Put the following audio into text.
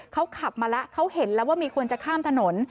เขาขับมาแล้วเขาเห็นแล้วว่ามีคนจะข้ามถนน